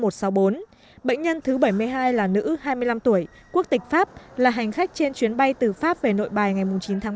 bệnh nhân thứ bảy mươi hai là nữ hai mươi năm tuổi quốc tịch pháp là hành khách trên chuyến bay từ pháp về nội bài ngày chín tháng ba